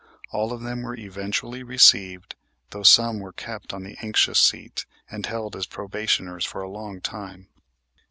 All of them were eventually received, though some were kept on the anxious seat and held as probationers for a long time.